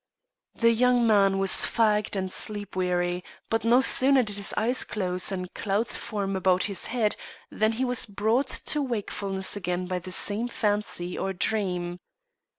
The young man was fagged and sleep weary, but no sooner did his eyes close, and clouds form about his head, than he was brought to wakefulness again by the same fancy or dream.